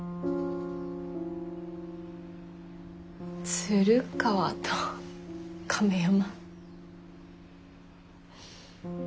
鶴川と亀山。